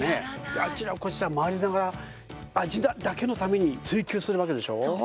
あちらこちら回りながら味だけのために追求するわけでしょ？